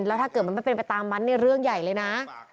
แล้วถ้าเกิดมันไม่เป็นไปตามมันเนี่ยเรื่องใหญ่เลยนะ